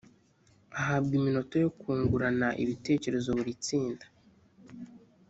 ahabwa iminota yo kungurana ibitekerezo buri tsinda